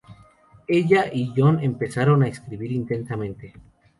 Ella y Jon empezaron a escribir intensamente.